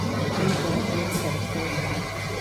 Уи бара боуп, сара соуп.